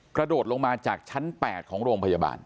กระโดดลงมาจากชั้น๘ของโรงพยาบาล